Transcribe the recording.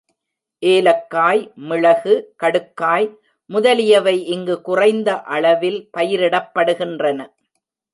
ஏலக்காய், மிளகு, கடுக்காய் முதலியவை இங்கு குறைந்த அளவில் பயிரிடப்படுகின்றன.